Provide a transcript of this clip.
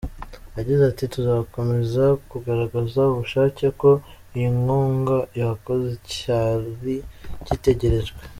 Yagize ati “Tuzakomeza kugaragaza ubushake ko iyi nkunga yakoze icyari gitegerejwe.